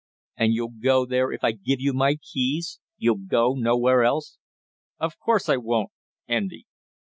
"And you'll go there if I give you my keys you'll go nowhere else?" "Of course I won't, Andy!"